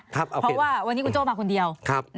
เพราะว่าวันนี้คุณโจ้มาคนเดียว